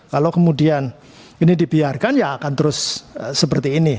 kalau kemudian ini dibiarkan ya akan terus seperti ini